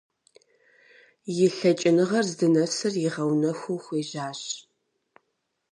И лъэкӀыныгъэр здынэсыр игъэунэхуу хуежьащ.